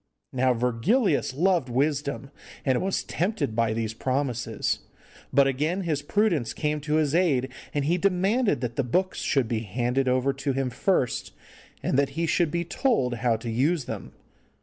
Now Virgilius loved wisdom, and was tempted by these promises, but again his prudence came to his aid, and he demanded that the books should be handed over to him first, and that he should be told how to use them.